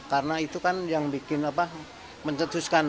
karena itu kan yang bikin mencetuskan